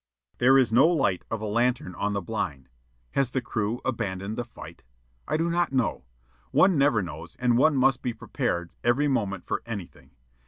There is no light of a lantern on the blind. Has the crew abandoned the fight? I do not know. One never knows, and one must be prepared every moment for anything.